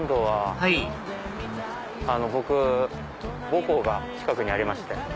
はい僕母校が近くにありまして。